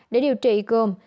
để điều trị gồm